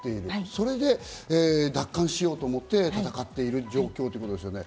それで奪還しようと思って戦っている状況ということですよね。